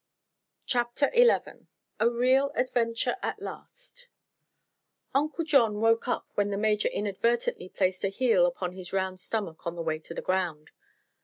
CHAPTER XI A REAL ADVENTURE AT LAST Uncle John woke up when the Major inadvertently placed a heel upon his round stomach on the way to the ground.